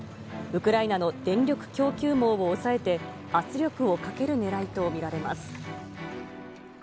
ウクライナの電力供給網を抑えて、圧力をかけるねらいとみられます。